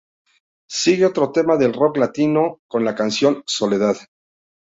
Sigue otro tema de rock latino, con la canción "Soledad".